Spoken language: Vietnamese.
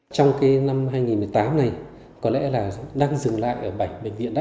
trong năm hai nghìn một mươi tám này có lẽ là đang dừng lại ở bảy bệnh viện đó